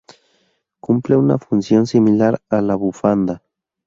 Cumple una función similar a la bufanda.